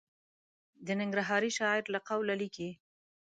د ننګرهاري شاعر له قوله لیکي.